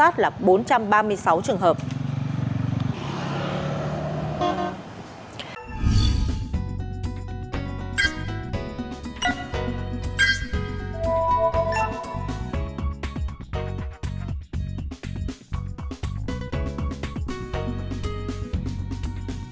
camera giám sát là bốn trăm ba mươi sáu trường hợp